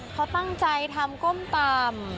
เขาตั้งใจทำก้มตำ